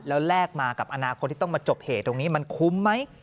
แล้วแลกมากับอนาคตที่ต้องมาจบเหตุตรงนี้มันคุ้มไหม